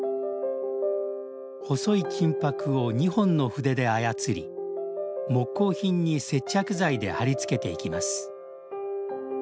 細い金ぱくを２本の筆で操り木工品に接着剤で貼り付けていきます。